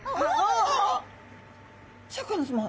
シャーク香音さま。